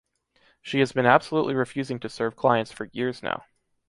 She has been absolutely refusing to serve clients for years now.